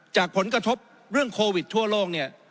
จากผลกระทบเรื่องโควิดทั่วโลกเนี่ย